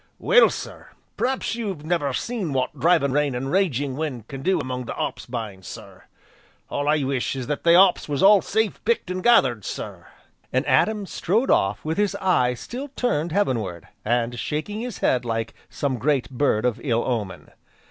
"Well, sir, p'raps you've never seen w'ot driving rain, an' raging wind, can do among the 'op bines, sir. All I wish is that they 'ops was all safe picked an' gathered, sir!" And Adam strode off with his eye still turned heaven ward, and shaking his head like some great bird of ill omen.